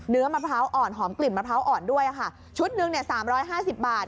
มะพร้าวอ่อนหอมกลิ่นมะพร้าวอ่อนด้วยค่ะชุดหนึ่งเนี่ยสามร้อยห้าสิบบาท